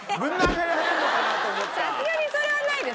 さすがにそれはないです。